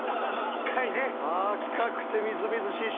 赤くてみずみずしいし。